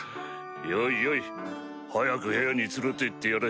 よいよい早く部屋に連れて行ってやれ。